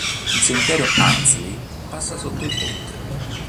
Il sentiero Anglesey passa sotto al ponte.